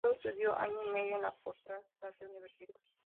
Luego estudió año y medio en la Portland State University.